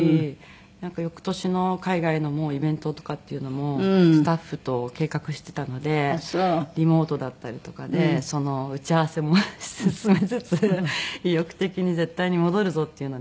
なんか翌年の海外のイベントとかっていうのもスタッフと計画してたのでリモートだったりとかで打ち合わせも進めつつ意欲的に絶対に戻るぞっていうので。